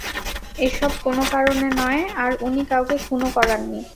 এসব কোনো কারণে নয়, আর উনি কাউকে খুনও করাননি।